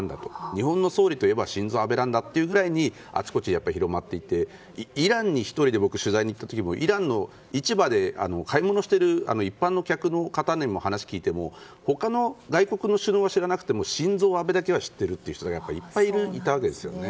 日本の総理といえばシンゾウ・アベなんだとあちこちに広まっていてイランに１人で取材に行った時もイランの市場で買い物をしている一般の客の方に話を聞いても他の外国の首脳は知らなくてもシンゾウ・アベだけは知っているという人がいっぱいいたんですね。